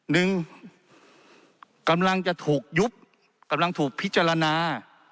หนึ่งกำลังจะถูกยุบกำลังถูกพิจารณา